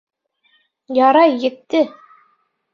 Ярай, етте!